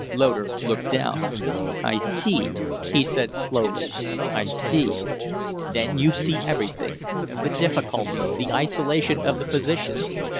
Loder looked down. "I see," he said, slowly, "I see." "Then you see everything the difficulty, the isolation of the position.